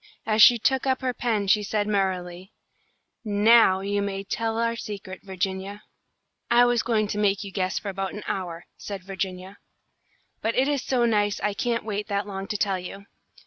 As she took up her pen she said, merrily: "Now you may tell our secret, Virginia." "I was going to make you guess for about an hour," said Virginia, "but it is so nice I can't wait that long to tell you.